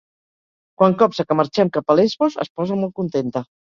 Quan copsa que marxem cap a Lesbos es posa molt contenta.